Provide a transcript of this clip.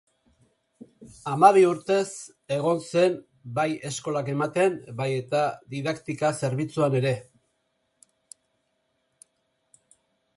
Hamabi urtez egon zen bai eskolak ematen, bai eta didaktika-zerbitzuan ere.